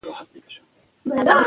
که مینه وي نو کرکه له منځه ځي.